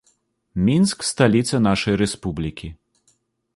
Мінск сталіца нашай рэспублікі.